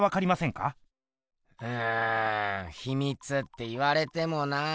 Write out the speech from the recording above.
うんひみつって言われてもなぁ。